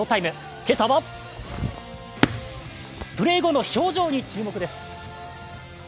今朝のプレー後の表情に注目です。